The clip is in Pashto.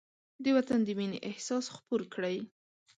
د وطن د مینې احساس خپور کړئ.